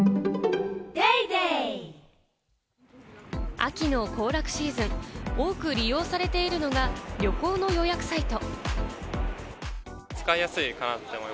秋の行楽シーズン、多く利用されているのが旅行の予約サイト。